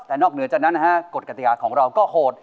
แต่นอกเหนือจากนั้นนะฮะกฎกติกาของเราก็โหด